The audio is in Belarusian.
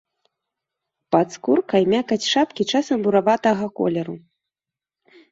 Пад скуркай мякаць шапкі часам бураватага колеру.